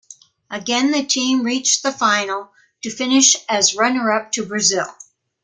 Again the team reached the final, to finish as runner-up to Brazil.